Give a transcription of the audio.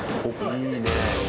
いいね。